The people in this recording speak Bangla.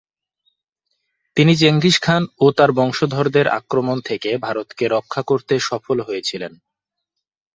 তিনি চেঙ্গিস খান ও তার বংশধরদের আক্রমণ থেকে ভারতকে রক্ষা করতে সফল হয়েছিলেন।